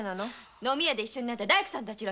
飲み屋で一緒になった大工さんたち。